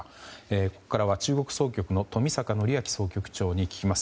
ここからは中国総局の冨坂範明総局長に聞きます。